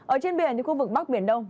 ở trên biển thì khu vực bắc biển đông